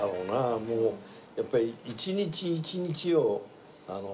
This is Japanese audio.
もうやっぱり一日一日を。